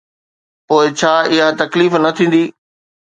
پوءِ ڇا اها تڪليف نه ٿيندي؟